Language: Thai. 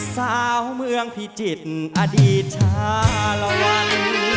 สาวเมืองพิจิตรอดีตชาลวัน